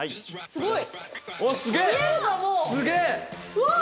すごい。